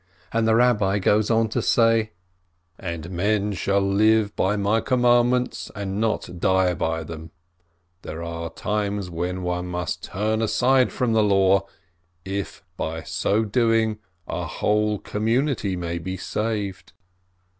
And the Rabbi goes on to say: THEEE WHO ATE 275 "And men shall live by My commandments, and not die by them. There are times when one must turn aside from the Law, if by so doing a whole community may be saved."